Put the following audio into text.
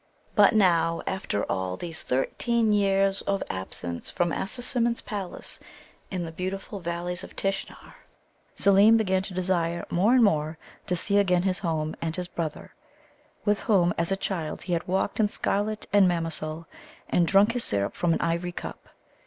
But now, after all these thirteen years of absence from Assasimmon's palace in the beautiful Valleys of Tishnar, Seelem began to desire more and more to see again his home and his brother, with whom as a child he had walked in scarlet and Mamasul, and drunk his syrup from an ivory cup.